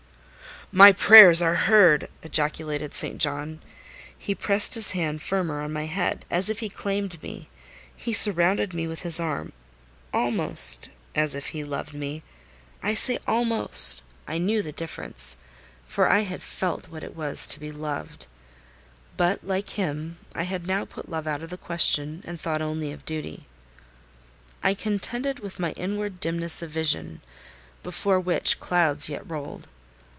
"My prayers are heard!" ejaculated St. John. He pressed his hand firmer on my head, as if he claimed me: he surrounded me with his arm, almost as if he loved me (I say almost—I knew the difference—for I had felt what it was to be loved; but, like him, I had now put love out of the question, and thought only of duty). I contended with my inward dimness of vision, before which clouds yet rolled.